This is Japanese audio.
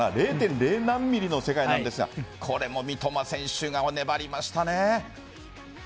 ０．０何ｍｍの世界なんですがこれも三笘選手が粘りましたね。